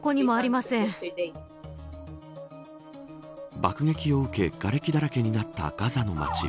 爆撃を受けがれきだらけになったガザの町。